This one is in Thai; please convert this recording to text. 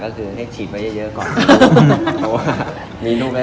ทำคุณแม่ทำอะไรเขาว่ามีนี้